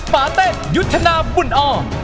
ปาเต้นยุทธนาบุญอ้อม